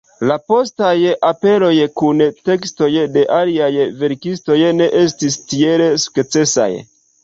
La postaj operoj kun tekstoj de aliaj verkistoj ne estis tiel sukcesaj.